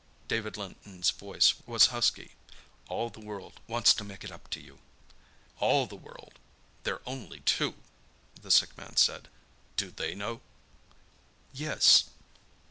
David Linton's voice was husky. "All the world wants to make it up to you." "All the world—they're only two!" the sick man said. "Do they know?" "Yes."